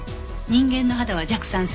人間の肌は弱酸性。